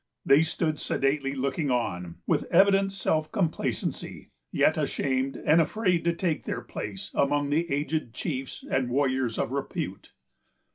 They stood sedately looking on, with evident self complacency, yet ashamed and afraid to take their places among the aged chiefs and warriors of repute.